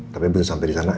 tapi belum sampai disana